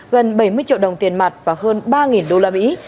gần bảy mươi triệu đồng tiền mặt và hơn ba đô la mỹ